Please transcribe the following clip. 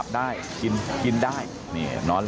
ลูกสาวหลายครั้งแล้วว่าไม่ได้คุยกับแจ๊บเลยลองฟังนะคะ